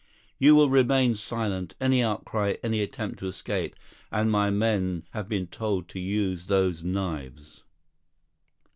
"You will remain silent. Any outcry, any attempt to escape, and my men have been told to use those knives."